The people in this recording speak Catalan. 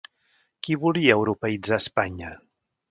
Qui volia «europeïtzar» Espanya?